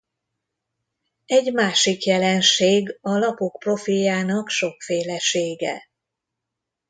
Egy másik jelenség a lapok profiljának sokfélesége.